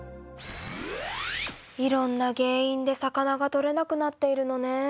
いろんな原因で魚がとれなくなっているのね。